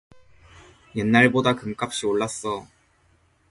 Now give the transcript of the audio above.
옛날보다 금값이 올랐어